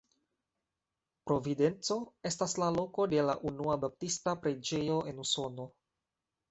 Providenco estas la loko de la unua baptista preĝejo en Usono.